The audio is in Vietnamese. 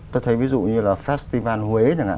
tôi thấy ví dụ như là festival huế chẳng hạn